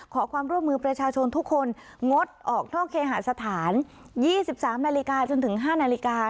ขอความร่วมมือประชาชนทุกคนงดออกนอกเคหาสถาน๒๓นาฬิกาจนถึง๕นาฬิกา